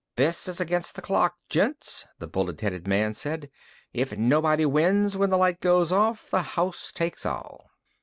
"This is against the clock, gents," the bullet headed man said. "If nobody wins when the light goes off, the house takes all."